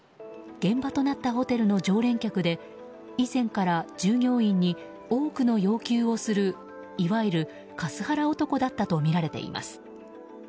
現場となったホテルの常連客で以前から従業員に多くの要求をするいわゆるカスハラ男だったとみられています。